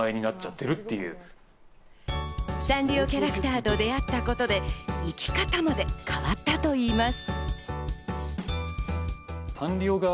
サンリオキャラクターと出会ったことで生き方まで変わったといいます。